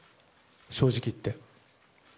正直、言って。